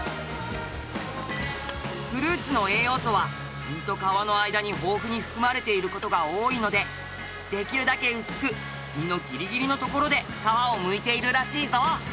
フルーツの栄養素は実と皮の間に豊富に含まれている事が多いのでできるだけ薄く実のギリギリのところで皮をむいているらしいぞ。